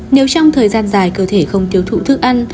nếu trong thời gian dài cơ thể không tiêu thụ thức ăn